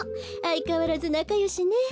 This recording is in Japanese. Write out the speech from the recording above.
あいかわらずなかよしね。